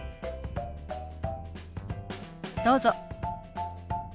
どうぞ。